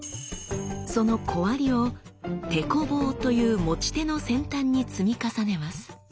その小割りを「テコ棒」という持ち手の先端に積み重ねます。